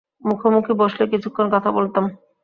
মুখোমুখি বসলে কিছুক্ষণ কথা বলতাম।